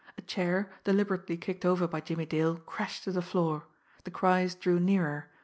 A chair, deliberately kicked over by Jimmie Dale, crashed to the floor. The cries drew nearer.